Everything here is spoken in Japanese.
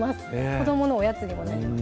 子どものおやつにもなります